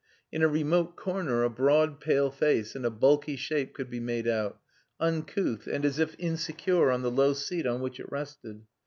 In a remote corner a broad, pale face and a bulky shape could be made out, uncouth, and as if insecure on the low seat on which it rested.